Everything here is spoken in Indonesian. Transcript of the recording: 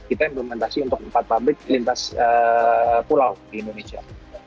kita implementasi untuk empat pabrik lintas pulau di indonesia